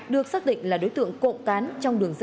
được xác định là đối tượng cộng cán trong đường dây